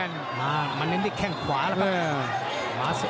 มาสึกเล็กนี่ปยามดีดแข้งขวามันเอง